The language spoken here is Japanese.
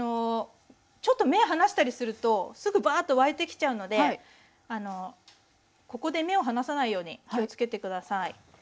ちょっと目離したりするとすぐバーッと沸いてきちゃうのでここで目を離さないように気をつけて下さい。